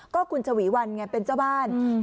ก็คุณฉวีวันไงเป็นเจ้าบ้าน